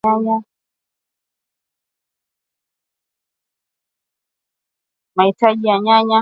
mahitaji ya nyanya ni gram sitini